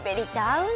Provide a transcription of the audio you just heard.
うん！